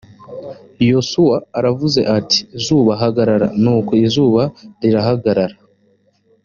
yosuwa aravuze ati zuba hagarara nuko izuba rirahagarara